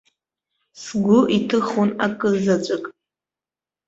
Сгәы иҭыхон акы заҵәык.